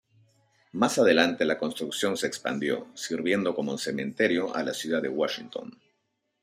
Más adelante la construcción se expandió, sirviendo como cementerio a la ciudad de Washington.